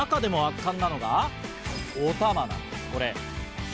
中でも圧巻なのは、お玉なんです、これ。